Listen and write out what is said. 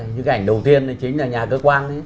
những cái ảnh đầu tiên chính là nhà cơ quan